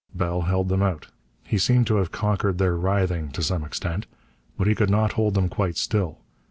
Bell held them out. He seemed to have conquered their writhing to some extent. But he could not hold them quite still.